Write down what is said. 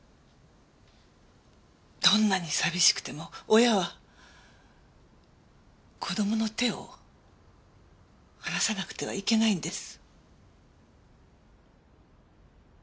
どんなに寂しくても親は子供の手を離さなくてはいけないんです。